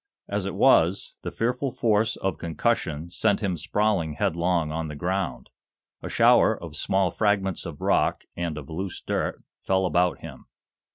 As it was, the fearful force of concussion sent him sprawling headlong on the ground. A shower of small fragments of rock and of loose dirt fell about him.